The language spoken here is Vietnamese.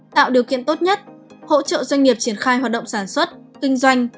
tạo điều kiện tốt nhất hỗ trợ doanh nghiệp triển khai hoạt động sản xuất kinh doanh